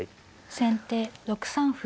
先手６三歩。